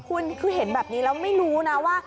คุณคือเห็นแบบนี้แล้วไม่รู้นะว่า